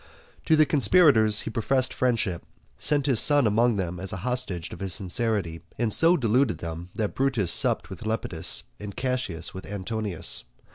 To the conspirators he professed friendship, sent his son among them as a hostage of his sincerity, and so deluded them, that Brutus supped with Lepidus, and Cassius with Antonius.